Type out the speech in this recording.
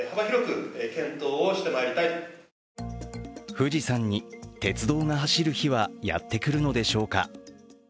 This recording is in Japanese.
富士山に鉄道が走る日はやってくるのでしょうか。